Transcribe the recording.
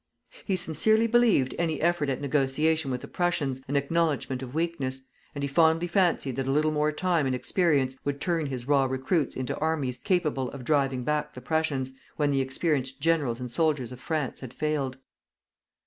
He sincerely believed any effort at negotiation with the Prussians an acknowledgment of weakness, and he fondly fancied that a little more time and experience would turn his raw recruits into armies capable of driving back the Prussians, when the experienced generals and soldiers of France had failed.